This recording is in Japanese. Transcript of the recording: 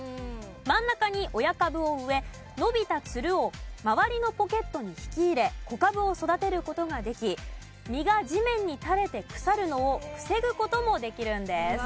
真ん中に親株を植え伸びたツルを周りのポケットに引き入れ子株を育てる事ができ実が地面に垂れて腐るのを防ぐ事もできるんです。